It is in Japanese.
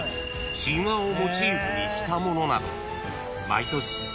［神話をモチーフにしたものなど］